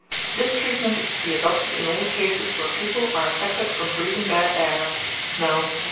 This treatment is to be adopted in all cases where people are affected from breathing bad air, smells, &c.